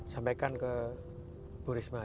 sampaikan ke bu risma